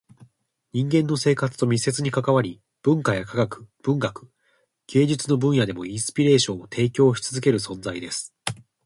人間の生活と密接に関わり、文化や科学、文学、芸術の分野でもインスピレーションを提供し続ける存在です。